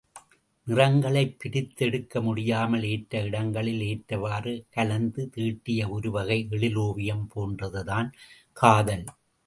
நிறங்களைப் பிரித்தெடுக்க முடியாமல் ஏற்ற இடங்களில் ஏற்றவாறு கலந்து தீட்டிய ஒருவகை எழிலோவியம் போன்றதுதான் காதல்.